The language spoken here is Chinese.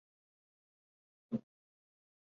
宋玉生公园是位于澳门新口岸的公园。